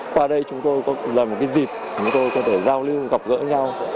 qua đây chúng tôi có lần một dịp chúng tôi có thể giao lưu gặp gỡ nhau